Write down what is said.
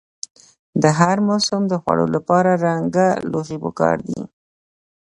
د هر موسم د خوړو لپاره رنګه لوښي پکار دي.